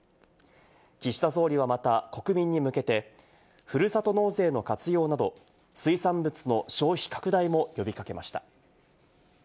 岸田総理はまた国民に向けてふるさと納税の活用など、水産物の消費拡大も呼び掛けました。